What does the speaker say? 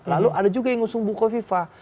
lalu ada juga yang mengusung bukovipa